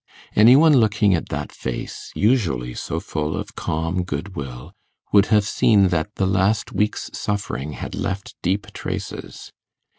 Any one looking at that face, usually so full of calm goodwill, would have seen that the last week's suffering had left deep traces.